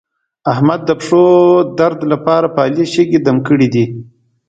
احمد د پښو درد لپاره په علي شګې دم کړې دي.